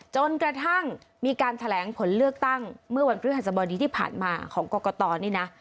จนกระทั่งมีการแถลงผลเลือกตั้งเมื่อวันพฤหัสบดีที่ผ่านมาของกรกตนี่นะ